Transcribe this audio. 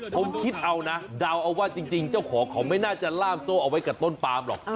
ผมคิดเอานะเดาเอาว่าจริงเจ้าของเขาไม่น่าจะล่ามโซ่เอาไว้กับต้นปามหรอก